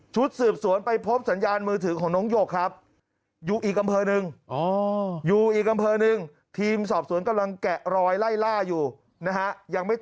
ชุดสืบสวนไปพบสัญญามือถือของน้องหยกครับ